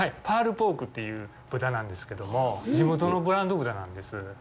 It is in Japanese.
パールポークという豚なんですけども地元のブランド豚なんです。